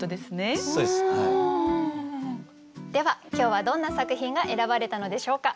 では今日はどんな作品が選ばれたのでしょうか？